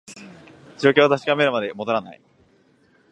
状況を確かめるまで戻らない